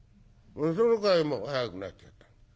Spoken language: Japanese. そのくらいもう速くなっちゃった。